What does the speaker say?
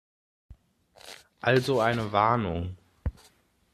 Also eine Warnung.